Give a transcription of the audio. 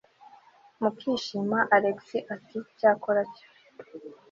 mukishimaalex ati cyakora cyo